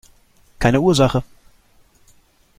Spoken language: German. Keine Ursache!